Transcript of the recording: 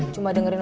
cuma dengerin lagi